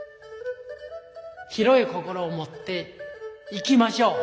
広い心をもっていきましょう。